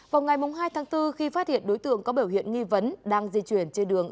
vào ngày hai tháng bốn khi phát hiện đối tượng có biểu hiện nghi vấn đang di chuyển trên đường